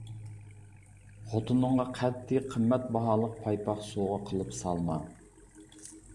خوتۇنۇڭغا قەتئىي قىممەت باھالىق پايپاق سوغا قىلىپ سالما.